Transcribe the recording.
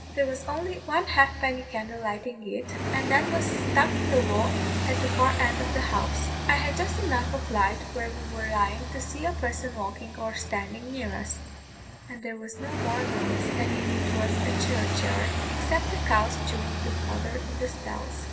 There was only one halfpenny candle lighting it, and that was stuck in the wall at the far end of the house. I had just enough of light where we were lying to see a person walking or standing near us: and there was no more noise than if it was a churchyard, except the cows chewing the fodder in the stalls.